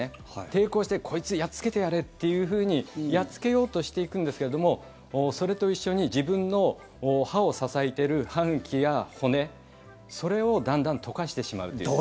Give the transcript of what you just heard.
抵抗して、こいつやっつけてやれっていうふうにやっつけようとしていくんですけれどもそれと一緒に自分の歯を支えてる歯茎や骨それをだんだん溶かしてしまうという。